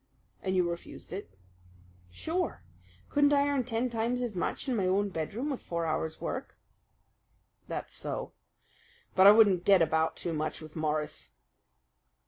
"And you refused it?" "Sure. Couldn't I earn ten times as much in my own bedroom with four hours' work?" "That's so. But I wouldn't get about too much with Morris."